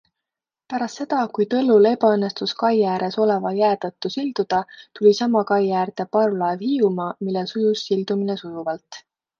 Pärast seda, kui Tõllul ebaõnnestus kai ääres oleva jää tõttu silduda, tuli sama kai äärde parvlaev Hiiumaa, millel sujus sildumine sujuvalt.